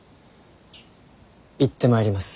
行ってまいります。